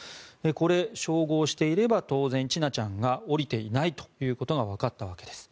これ、照合していれば当然千奈ちゃんが降りていないということがわかったわけです。